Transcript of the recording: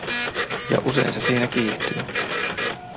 Ja usein se siinä kiihtyy.